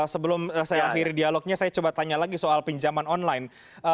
sebelum saya akhiri dialognya saya coba tanya lagi soal pinjaman online